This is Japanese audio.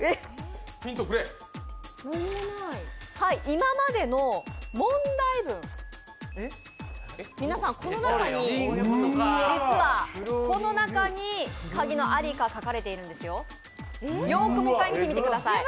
今までの問題文、皆さん、この中に鍵のありか、書かれているんですよよくもう一回見てみてください。